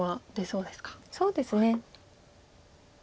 そうですね。